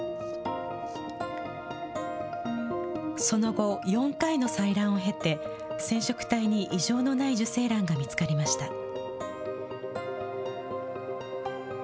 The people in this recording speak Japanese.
その後、４回の採卵を経て、染色体に異常のない受精卵が見つかりました。